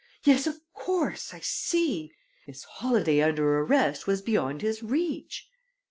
"Yes, of course; I see. Miss Holladay under arrest was beyond his reach."